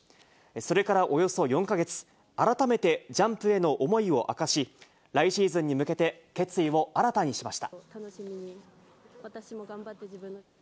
それからおよそ４か月、改めてジャンプへの思いを明かし、来シーズンに向けて、決意を新たにしました。